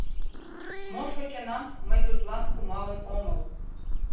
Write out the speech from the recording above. — Мо шочынам, мый тудлан кумалын омыл.